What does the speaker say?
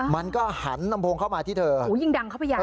มันก็หันลำโพงเข้ามาที่เธอโอ้โหยิ่งดังเข้าไปใหญ่